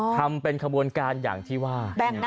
ทำเป็นการที่ว่า